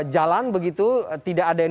jalan begitu tidak ada yang